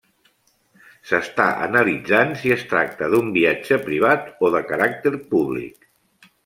S'està analitzant si es tracta d'un viatge privat o de caràcter públic.